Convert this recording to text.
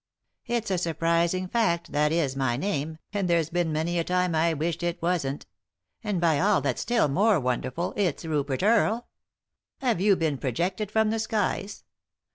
" It's a surprising fact, that is my name, and there's been many a time I've wished it wasn't. And by all that's still more wonderful, it's Rupert Earle I Have you been projected from the skies